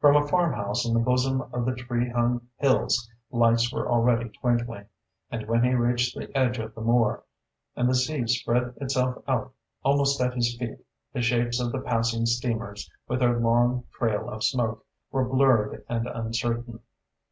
From a farmhouse in the bosom of the tree hung hills lights were already twinkling, and when he reached the edge of the moor, and the sea spread itself out almost at his feet, the shapes of the passing steamers, with their long trail of smoke, were blurred and uncertain.